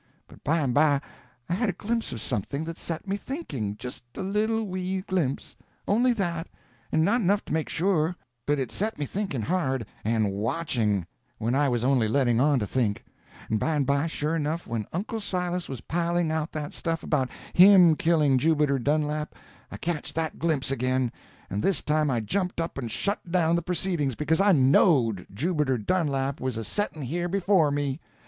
But by and by I had a glimpse of something that set me thinking—just a little wee glimpse—only that, and not enough to make sure; but it set me thinking hard—and watching, when I was only letting on to think; and by and by, sure enough, when Uncle Silas was piling out that stuff about him killing Jubiter Dunlap, I catched that glimpse again, and this time I jumped up and shut down the proceedings, because I knowed Jubiter Dunlap was a setting here before me.